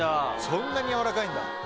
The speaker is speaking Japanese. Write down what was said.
そんなに軟らかいんだ。